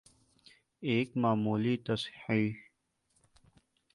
ایک معمولی تصحیح۔